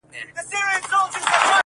یو ګړی وروسته را والوتل بادونه٫